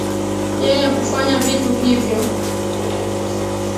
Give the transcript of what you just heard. yeye hufanya vitu hivyo